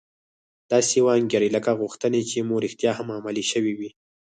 داسې وانګيرئ لکه غوښتنې چې مو رښتيا هم عملي شوې وي.